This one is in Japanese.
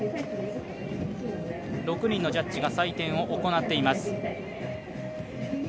６人のジャッジが採点を行っています。